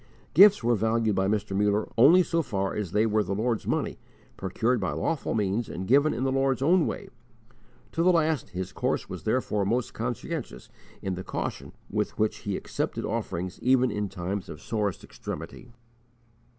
Gifts were valued by Mr. Muller only so far as they were the Lord's money, procured by lawful means and given in the Lord's own way. To the last his course was therefore most conscientious in the caution with which he accepted offerings even in times of sorest extremity.